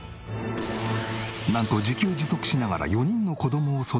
なんと自給自足しながら４人の子供を育てる。